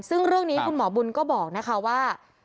ซึ่งเรื่องนี้คุณหมอบุญก็บอกนะคะว่า